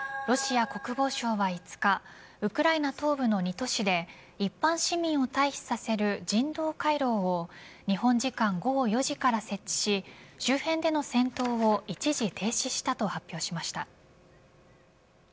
ロシア国防省は５日ウクライナ東部の２都市で一般市民を退避させる人道回廊を日本時間午後４時から設置し周辺での戦闘を一時停止したと発表しました。